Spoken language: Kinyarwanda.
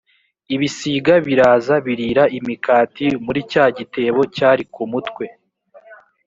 ibisiga biraza birira imikati muri cya gitebo cyari ku mutwe